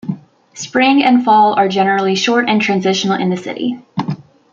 Spring and fall are generally short and transitional in the city.